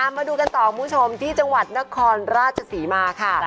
มาดูกันต่อคุณผู้ชมที่จังหวัดนครราชศรีมาค่ะ